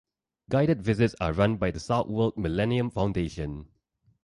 Guided visits are run by the Southwold Millennium Foundation.